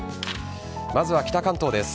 まずは北関東です。